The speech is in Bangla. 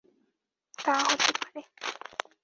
তা হতে পারে।